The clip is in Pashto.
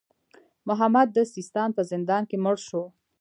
محمد د سیستان په زندان کې مړ شو.